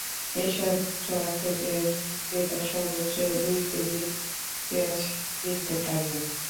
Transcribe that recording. এসব ট্রাক থেকে একজন ক্রেতা সর্বোচ্চ দুই কেজি পেঁয়াজ কিনতে পারবেন।